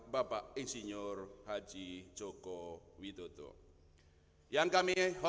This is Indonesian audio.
bapak ex kasih pernambanian kasih